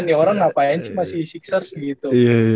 nih orang ngapain sih masih di sixers gitu